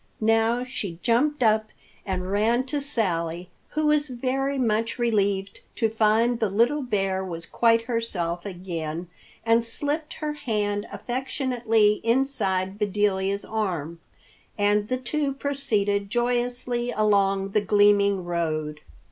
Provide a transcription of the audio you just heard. Now she jumped up and ran to Sally, who was very much relieved to find the little bear was quite herself again, and slipped her hand affectionately inside Bedelia's arm. And the two proceeded joyously along the gleaming road.